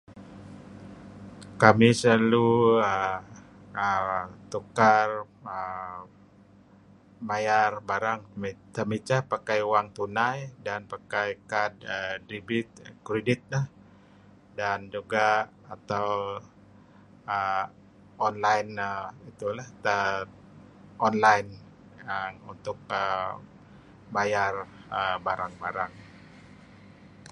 Kamih selalu aaa... aaa... tukar aaa... bayar barang temicah pakai wang tunai dan pakai kad dibit, kridit lah dan juga' atau online err... online untuk bayar barang-barang.